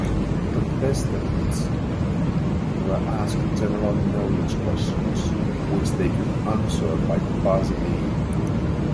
Contestants were asked general knowledge questions, which they could answer by buzzing in.